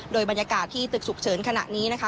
โดยบรรยากาศที่ตึกฉุกเฉินขณะนี้นะคะ